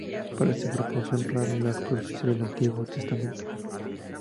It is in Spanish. Para este grupo son reales las profecías del Antiguo Testamento.